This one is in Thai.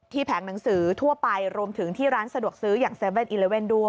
แผงหนังสือทั่วไปรวมถึงที่ร้านสะดวกซื้ออย่าง๗๑๑ด้วย